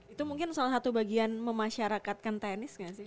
itu mungkin salah satu bagian memasyarakatkan tenis nggak sih